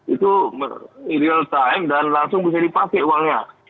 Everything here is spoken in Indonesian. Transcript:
itu real time dan langsung bisa dipakai uangnya